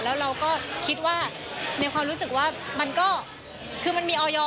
แล้วเราก็คิดว่าในความรู้สึกว่ามันก็คือมันมีออย